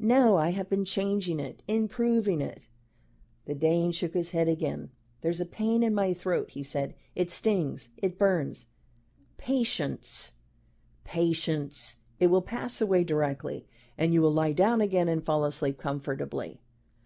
"No I have been changing it improving it." The Dane shook his head again. "There's a pain in my throat," he said; "it stings it burns!" "Patience patience. It will pass away directly, and you will lie down again and fall asleep comfortably."